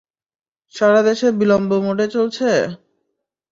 সারা দেশে বিলম্ব মোডে চলছে?